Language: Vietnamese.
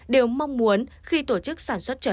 đều mong muốn khi tổ chức sản xuất trở